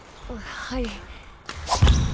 はい。